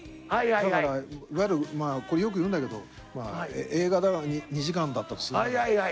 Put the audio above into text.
だからいわゆるこれよく言うんだけど映画２時間だったとするじゃない。